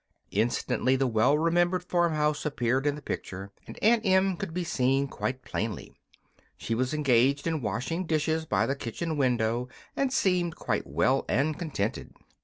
Instantly the well remembered farmhouse appeared in the picture, and Aunt Em could be seen quite plainly. She was engaged in washing dishes by the kitchen window and seemed quite well and contented.